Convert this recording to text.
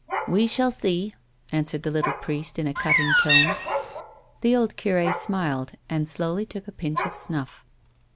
" We shall see," answered the little priest in a cutting tone. The old cure smiled and slowly took a pinch of snufiF.